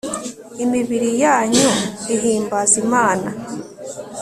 imibiri yanyu ihimbaza imana